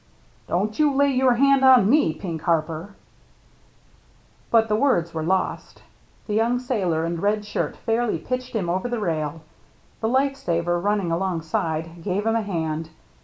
" Don't you lay your hand on me. Pink Harper —" But the words were lost. The young sailor in the red shirt fairly pitched him over the rail. The life saver, running alongside, gave him a hand.